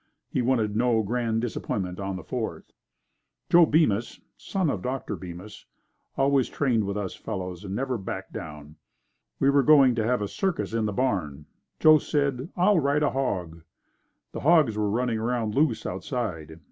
He wanted no grand disappointment on the Fourth. Joe Bemis, son of Dr. Bemis, always trained with us fellows and never backed down. We were going to have a circus in the barn. Joe said, "I'll ride a hog." The hogs were running around loose outside.